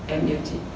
em yêu chị